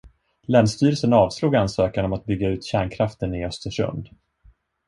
Länsstyrelsen avslog ansökan om att bygga ut kärnkraften i Östersund.